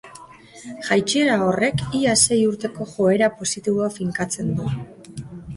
Jaitsiera horrek ia sei urteko joera positiboa finkatzen du.